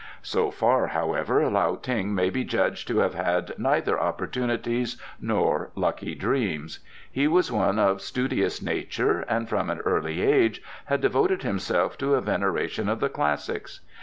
So far, however, Lao Ting may be judged to have had neither opportunities nor lucky dreams. He was one of studious nature and from an early age had devoted himself to a veneration of the Classics.